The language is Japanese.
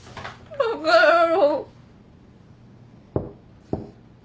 バカ野郎。